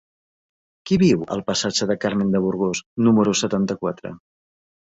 Qui viu al passatge de Carmen de Burgos número setanta-quatre?